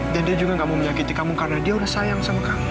dan dia juga gak mau menyakiti kamu karena dia udah sayang sama kamu